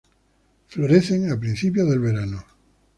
Florecen a principios del verano.